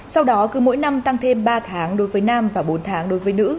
sau đó cứ mỗi năm tăng thêm ba tháng đối với nam và bốn tháng đối với nữ